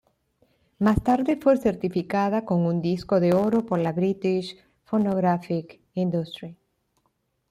Más tarde fue certificada con un disco de oro por la British Phonographic Industry.